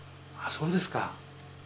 そうですか。